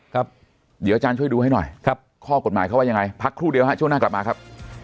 ครับเดี๋ยวอาจารย์ช่วยดูให้หน่อยครับข้อกฎหมายเขาว่ายังไงพักครู่เดียวฮะช่วงหน้ากลับมาครับ